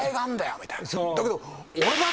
だけど。